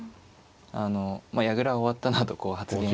あの「矢倉は終わったな」とこう発言